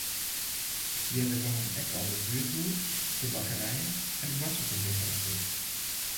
Earder gongen ek it buerthûs, de bakkerij en de boartersguodwinkel al ticht.